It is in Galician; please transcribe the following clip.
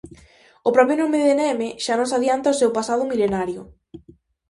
O propio nome de Neme xa nos adianta o seu pasado milenario.